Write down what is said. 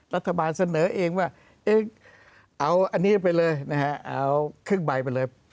รัฐบาลเสนอเองว่าเอาอันนี้ไปเลยนะฮะเอาครึ่งใบไปเลย